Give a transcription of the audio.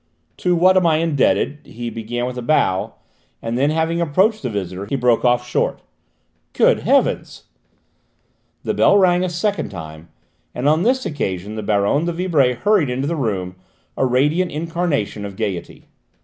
"To what am I indebted " he began with a bow; and then, having approached the visitor, he broke off short. "Good heavens !" The bell rang a second time, and on this occasion the Baronne de Vibray hurried into the room, a radiant incarnation of gaiety.